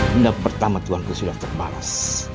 tindak pertama tuhan ku sudah terbalas